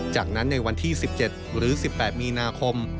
จากนั้นในวันที่๑๗หรือ๑๘มีนาคม